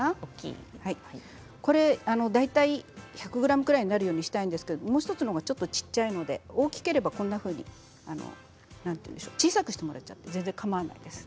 大体１００ｇくらいになるようにしたいんですがもう１つのほうが小っちゃいので大きければ、こんなふうに小さくしてもらって全然、構いません。